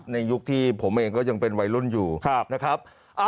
ในยุคที่ผมเองก็ยังเป็นวัยรุ่นอยู่นะครับ